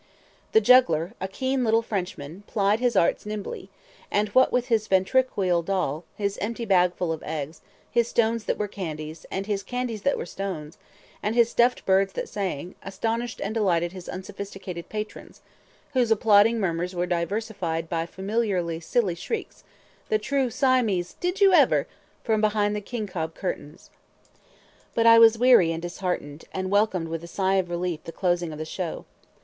The juggler, a keen little Frenchman, plied his arts nimbly, and what with his ventriloquial doll, his empty bag full of eggs, his stones that were candies, and his candies that were stones, and his stuffed birds that sang, astonished and delighted his unsophisticated patrons, whose applauding murmurs were diversified by familiarly silly shrieks the true Siamese Did you ever! from behind the kincob curtains. But I was weary and disheartened, and welcomed with a sigh of relief the closing of the show.